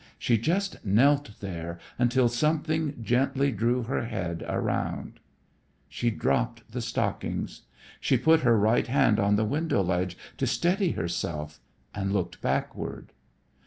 She just knelt there until something gently drew her head around. She dropped the stockings. She put her right hand on the window ledge to steady herself and looked backward.